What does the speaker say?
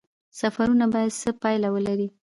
سفرونه باید څه پایله ولري؟